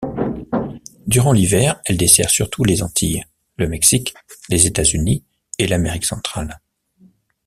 Durant l'hiver, elle dessert surtout les Antilles, le Mexique, les États-Unis et l'Amérique centrale.